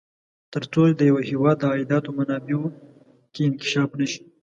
تر څو چې د یوه هېواد د عایداتو منابعو کې انکشاف نه شي.